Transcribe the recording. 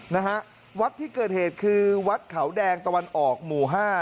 นะฮะวัดที่เกิดเหตุคือวัดเขาแดงตะวันออกหมู่ห้า